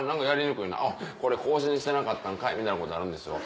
これ更新してなかったんかい」みたいなことあるんですよ。